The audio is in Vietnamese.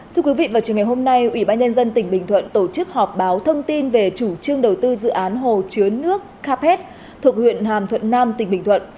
thưa quý vị vào trường ngày hôm nay ủy ban nhân dân tỉnh bình thuận tổ chức họp báo thông tin về chủ trương đầu tư dự án hồ chứa nước carpet thuộc huyện hàm thuận nam tỉnh bình thuận